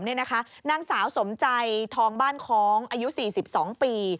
นางสาวสมใจทองบ้านคล้องอายุ๔๒ปี